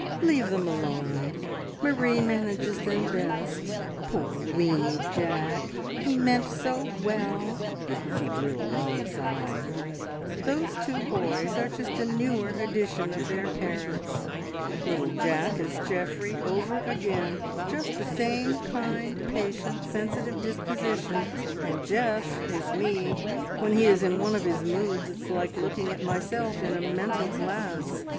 "Leave them alone; Marie manages them best. Poor, weeny Jack! He meant so well!" She drew a long sigh. "Those two boys are just a newer edition of their parents. Little Jack is Geoffrey over again just the same kind, patient, sensitive disposition; and Geoff is me. When he is in one of his moods it's like looking at myself in a mental glass.